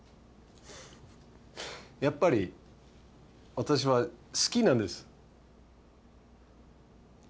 やっぱり私は好きなんです。